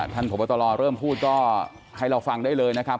พบตรเริ่มพูดก็ให้เราฟังได้เลยนะครับ